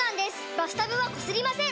バスタブはこすりません！